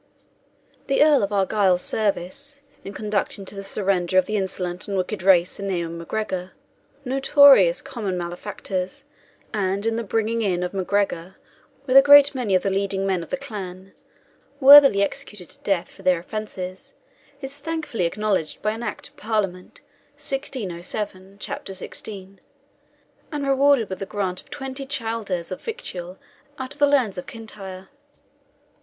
The Earl of Argyle's service, in conducting to the surrender of the insolent and wicked race and name of MacGregor, notorious common malefactors, and in the in bringing of MacGregor, with a great many of the leading men of the clan, worthily executed to death for their offences, is thankfully acknowledged by an Act of Parliament, 1607, chap. 16, and rewarded with a grant of twenty chalders of victual out of the lands of Kintire.